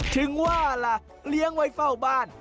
ถึงว่าล่ะเลี้ยงไว้เฝ้าบ้าน